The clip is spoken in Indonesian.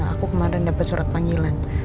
aku kemarin dapat surat panggilan